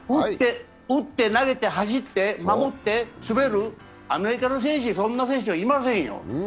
打って投げて走って守って滑る、アメリカの選手にそんな選手、いませんよ。